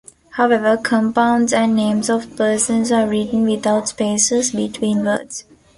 However, compounds and names of persons are written without spaces between words.